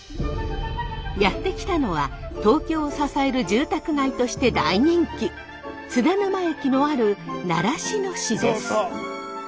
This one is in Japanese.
やって来たのは東京を支える住宅街として大人気津田沼駅のある習志野市です。